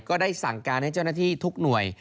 ก็ได้สั่งการให้เจ้าหน้าที่ทุกหน่วย